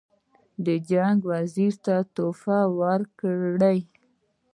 د جنګ وزیر ته تحفې ورکړي.